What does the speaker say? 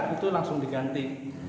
itu langsung diganti